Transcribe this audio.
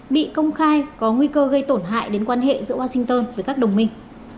bị công khai có nguy cơ gây tổn hại đến quan hệ giữa washington với các đồng minh